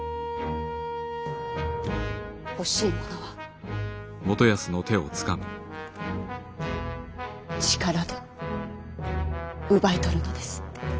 欲しいものは力で奪い取るのです。